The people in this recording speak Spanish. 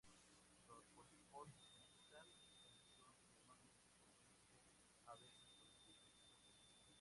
Los pólipos están expandidos normalmente por la noche y, a veces, por el día.